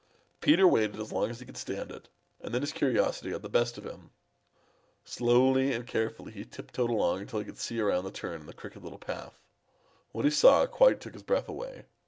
Peter waited as long as he could stand it, and then his curiosity got the best of him. Slowly and carefully be tiptoed along until he could see around the turn in the Crooked Little Path. What he saw quite took his breath away.